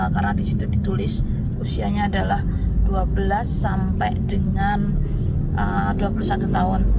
karena di situ ditulis usianya adalah dua belas sampai dengan dua puluh satu tahun